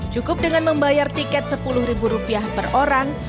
cukup dengan membayar tiket sepuluh ribu rupiah per orang